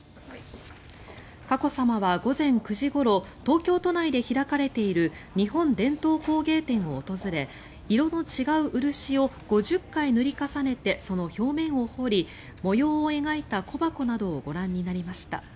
佳子さまは午前９時ごろ東京都内で開かれている日本伝統工芸展を訪れ色の違う漆を５０回塗り重ねてその表面を彫り模様を描いた小箱などをご覧になりました。